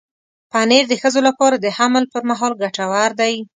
پنېر د ښځو لپاره د حمل پر مهال ګټور دی.